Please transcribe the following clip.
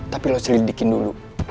tapi lu selidikin dulu